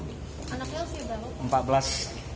anaknya usia berapa